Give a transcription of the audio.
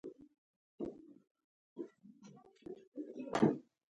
هره مياشت به د سرو زرو شل سيکې درته رالېږم.